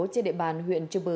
trên địa bàn huyện trung quốc